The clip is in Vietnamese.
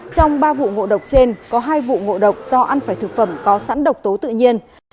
trong ba vụ ngộ độc trên có hai vụ ngộ độc do ăn phải thực phẩm có sẵn độc tố tự nhiên